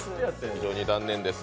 非常に残念です。